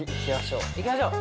行きましょう。